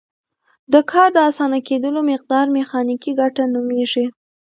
د کار د اسانه کیدلو مقدار میخانیکي ګټه نومیږي.